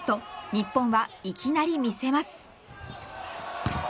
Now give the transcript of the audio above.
日本は、いきなり見せます。